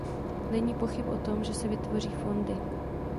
Není pochyb o tom, že se vytvoří fondy.